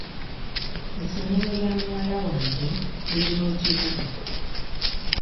Essomero lya muwala wange liri mu kibuga.